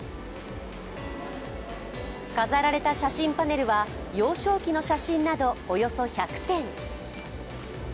飾られた写真パネルは幼少期の写真などおよそ１００点。